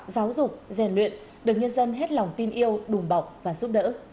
giáo dục rèn luyện được nhân dân hết lòng tin yêu đùm bọc và giúp đỡ